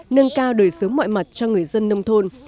nâng cao đời sống mọi mặt cho người dân nông thôn